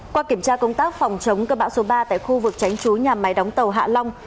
qua kiểm tra công tác phòng chống cơn bão số ba tại khu vực tránh trú nhà máy đóng tàu hạ long